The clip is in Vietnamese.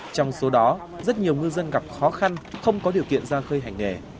trong số đó rất nhiều ngư dân gặp khó khăn không có điều kiện ra khơi hành nghề